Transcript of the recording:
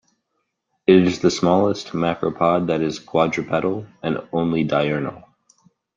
It is the smallest macropod that is quadrupedal and only diurnal.